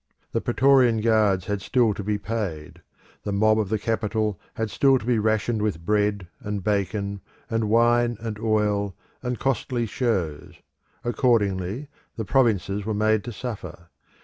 The Praetorian Guards had still to be paid; the mob of the capital had still to be rationed with bread, and bacon, and wine, and oil, and costly shows. Accordingly the provinces were made to suffer.